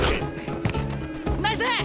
ナイス！